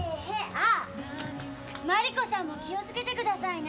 あっマリコさんも気をつけてくださいね。